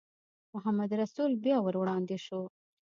محمدرسول بیا ور وړاندې شو.